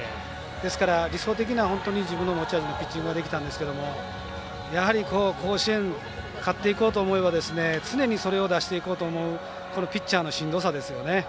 理想的な自分の持ち味のピッチングができたんですけど甲子園、勝っていこうと思えば常にそれを出していこうと思うピッチャーのしんどさですよね。